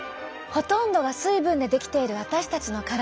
ほとんどが水分で出来ている私たちの体。